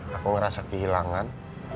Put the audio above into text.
aku ngerasa kehilangan